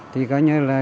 thì có như là